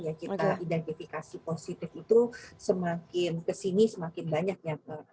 yang kita identifikasi positif itu semakin kesini semakin banyak ya